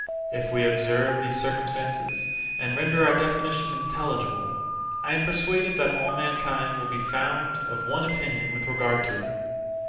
If we observe these circumstances, and render our definition intelligible, I am persuaded that all mankind will be found of one opinion with regard to it.